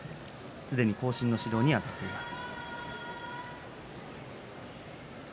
すでに後進の指導にあたっています。